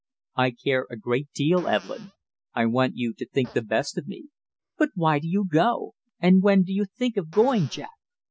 "I care a great deal, Evelyn. I want you to think the best of me." "But why do you go? And when do you think of going, Jack?"